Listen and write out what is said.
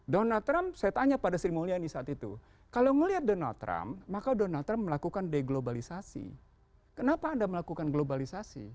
donald trump saya tanya pada sri mulyani saat itu kalau melihat donald trump maka donald trump melakukan deglobalisasi kenapa anda melakukan globalisasi